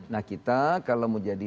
nah kita kalau mau jadi